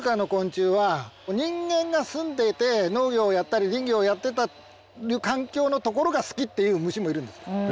人間が住んでいて農業をやったり林業をやってた環境の所が好きっていう虫もいるんです。